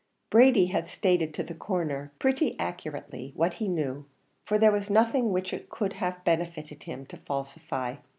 Brady had stated to the Coroner pretty accurately what he knew, for there was nothing which it could have benefited him to falsify.